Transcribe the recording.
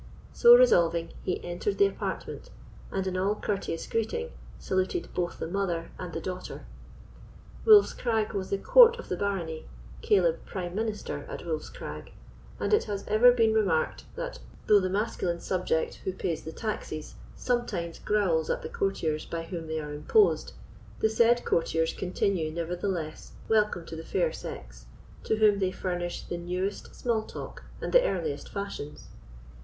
So resolving, he entered the apartment, and, in all courteous greeting, saluted both the mother and the daughter. Wolf's Crag was the court of the barony, Caleb prime minister at Wolf's Crag; and it has ever been remarked that, though the masculine subject who pays the taxes sometimes growls at the courtiers by whom they are imposed, the said courtiers continue, nevertheless, welcome to the fair sex, to whom they furnish the newest small talk and the earliest fashions.